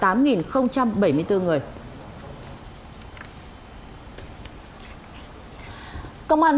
công an huyện hà nội hà nội hà nội hà nội hà nội hà nội hà nội